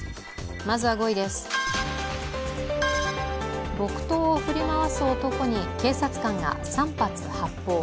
まずは５位です、木刀を振り回す男に警察官が３発発砲。